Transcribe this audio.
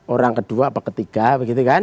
orang kedua atau ketiga begitu kan